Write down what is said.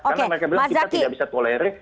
karena mereka bilang kita tidak bisa tolere